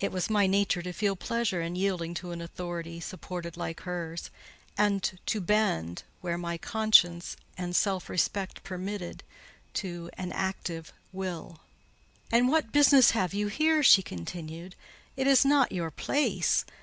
It was my nature to feel pleasure in yielding to an authority supported like hers, and to bend, where my conscience and self respect permitted, to an active will. "And what business have you here?" she continued. "It is not your place.